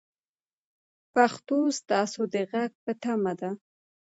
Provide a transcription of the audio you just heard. پښتو ستاسو د غږ په تمه ده.